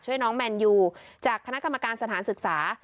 น้องแมนยูจากคณะกรรมการสถานศึกษา